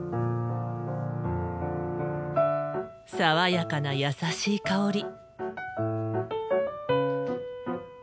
爽やかな優しい香り。